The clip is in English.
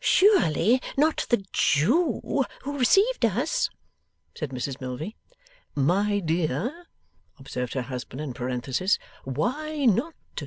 'Surely not the Jew who received us?' said Mrs Milvey. ['My dear,' observed her husband in parenthesis, 'why not?